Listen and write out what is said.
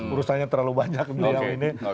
urusannya terlalu banyak ke beliau ini